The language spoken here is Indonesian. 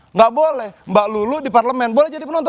nggak boleh mbak lulu di parlemen boleh jadi penonton